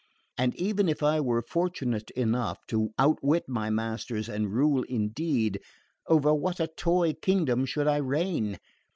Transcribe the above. And even if I were fortunate enough to outwit my masters and rule indeed, over what a toy kingdom should I reign!